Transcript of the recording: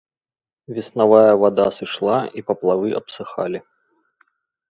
Веснавая вада сышла, і паплавы абсыхалі.